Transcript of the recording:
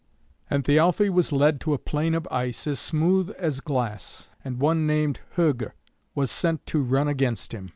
And Thialfe was led to a plain of ice, as smooth as glass, and one named Hugr was set to run against him.